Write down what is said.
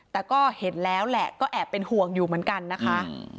แต่ก็เห็นแล้วแหละก็แอบเป็นห่วงอยู่เหมือนกันนะคะ